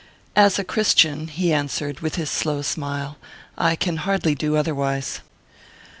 "As a Christian," he answered, with his slow smile, "I can hardly do otherwise."